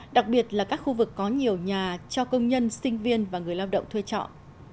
đặc biệt là các khu vực có nhiều nhà cho công nhân sinh viên và người lao động thuê chọn